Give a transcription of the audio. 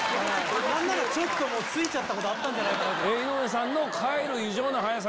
何ならちょっとついたことあったんじゃないかな。